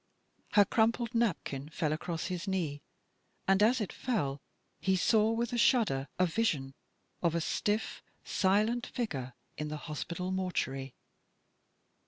Her crumpled napkin fell across his knee, and, as it fell, he saw with a shud der a vision of a stiif, silent figure in the hos pital mortuary.